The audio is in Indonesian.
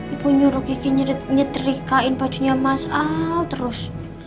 ibu nyuruh kiki nyetrikain bajunya masal terus